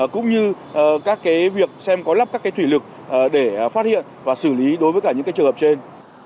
cũng như các việc xem có lắp các thủy lực để phát hiện và xử lý đối với cả những trường hợp trên